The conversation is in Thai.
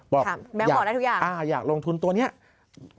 แบงค์บอกได้ทุกอย่าง